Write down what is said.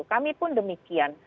kami pun demikian